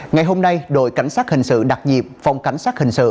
ngày hôm nay đội cảnh sát hình sự đặc nhiệm phòng cảnh sát hình sự